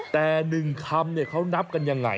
แต่หนึ่งคำเขานับกันอย่างไร